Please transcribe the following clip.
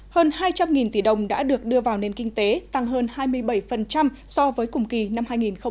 hơn hai trăm linh tỷ đồng đã được đưa vào nền kinh tế tăng hơn hai mươi bảy so với cùng kỳ năm hai nghìn một mươi tám